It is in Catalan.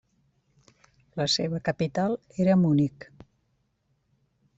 La seva capital era Munic.